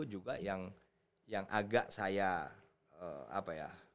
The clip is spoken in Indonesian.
juga yang agak saya apa ya